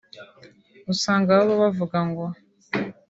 usanga baba bavuga ngo